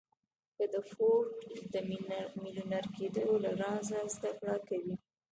که د فورډ د ميليونر کېدو له رازه زده کړه کوئ.